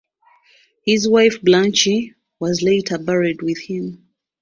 His wife Blanche was later buried with him.